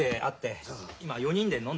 今４人で飲んでまして。